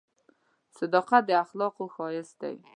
• صداقت د اخلاقو ښایست دی.